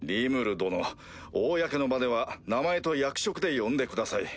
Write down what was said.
殿公の場では名前と役職で呼んでください。